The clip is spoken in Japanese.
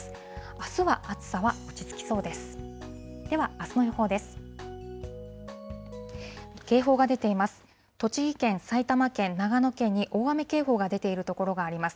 あすは暑さは落ち着きそうです。